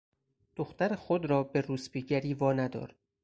دختر خود را به روسپیگری واندار.